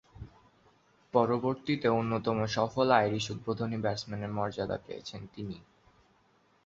পরবর্তীতে অন্যতম সফল আইরিশ উদ্বোধনী ব্যাটসম্যানের মর্যাদা পেয়েছেন তিনি।